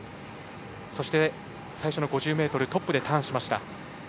そして、最初の５０ｍをトップでターンしました。